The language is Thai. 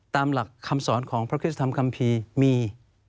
ตามหลักคำสอนของพระคริสธรรมคัมภีร์มี